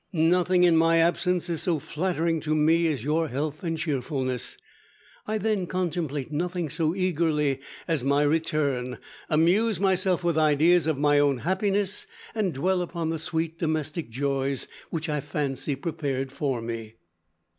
"Nothing in my absence is so flattering to me as your health and cheerfulness. I then contemplate nothing so eagerly as my return, amuse myself with ideas of my own happiness, and dwell upon the sweet domestic joys which I fancy prepared for me.